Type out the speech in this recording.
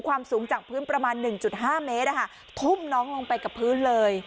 ความสูงจากพื้นประมาณ๑๕เมตรทุ่มน้องลงไปกับพื้นเลย